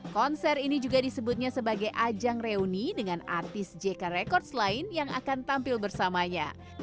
konser ini juga disebutnya sebagai ajang reuni dengan artis jk records lain yang akan tampil bersamanya